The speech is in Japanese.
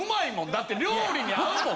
だって料理に合うもん。